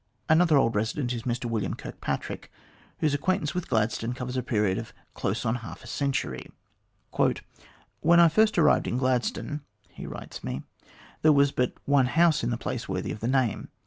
Another old resident is Mr William Kirkpatrick, whose acquaintance with Gladstone covers a period of close on half a century. " When I first arrived in Gladstone," he writes me, " there was l)ut one house in the place worthy of the name.